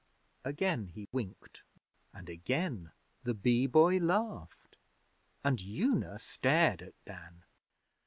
Again he winked, and again the Bee Boy laughed and Una stared at Dan.